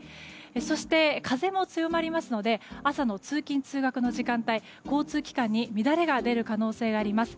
そして、風も強まりますので朝の通勤・通学の時間帯交通機関に乱れが出る可能性があります。